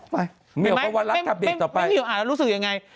เหมียวอาหารทับเด็กต่อไปก็ได้มั้ยุ้มหิวอ่ะแล้วรู้สึกอย่างไง